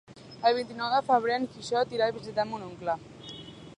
El vint-i-nou de febrer en Quixot irà a visitar mon oncle.